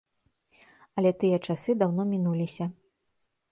Але тыя часы даўно мінуліся.